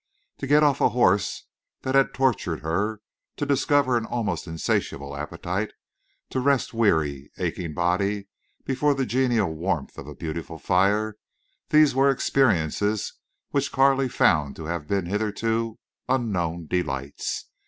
To get off a horse that had tortured her, to discover an almost insatiable appetite, to rest weary, aching body before the genial warmth of a beautiful fire—these were experiences which Carley found to have been hitherto unknown delights.